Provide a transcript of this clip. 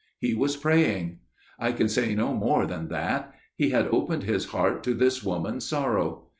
He was praying. I can say no more than that. He had opened his heart to this woman's sorrow.